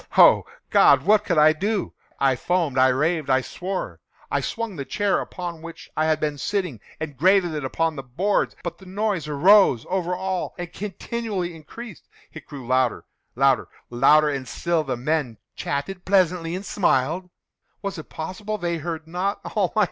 Oh God! what could I do? I foamed—I raved—I swore! I swung the chair upon which I had been sitting, and grated it upon the boards, but the noise arose over all and continually increased. It grew louder—louder—louder! And still the men chatted pleasantly, and smiled. Was it possible they heard not?